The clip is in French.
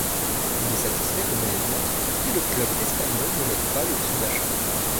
Il ne satisfait que moyennement et le club espagnol ne lève pas l'option d'achat.